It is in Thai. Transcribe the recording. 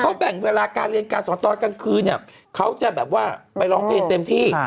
เขาแบ่งเวลาการเรียนการสอนตอนกลางคืนเนี่ยเขาจะแบบว่าไปร้องเพลงเต็มที่